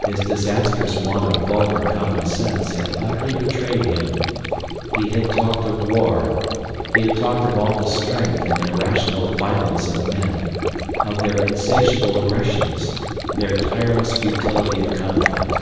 His disastrous want of vulgar common sense had utterly betrayed him. He had talked of war, he had talked of all the strength and irrational violence of men, of their insatiable aggressions, their tireless futility of conflict.